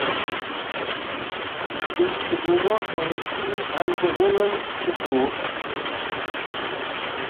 D’letschte Wùche hàn ùns viel Changement gebroocht.